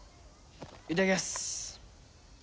いただきます！